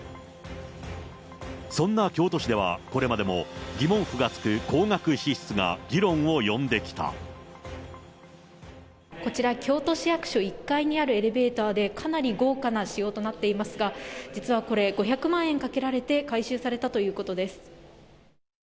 そんな京都市ではこれまでも疑問符がつく高額支出が議論を呼んでこちら、京都市役所１階にあるエレベーターで、かなり豪華な仕様となっていますが、実はこれ、５００万円かけられて改修されたということです。